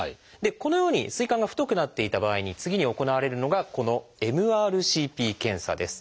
このように膵管が太くなっていた場合に次に行われるのがこの「ＭＲＣＰ検査」です。